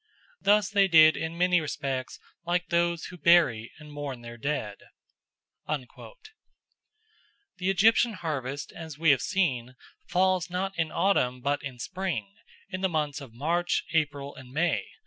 Thus they did in many respects like those who bury and mourn their dead." The Egyptian harvest, as we have seen, falls not in autumn but in spring, in the months of March, April, and May.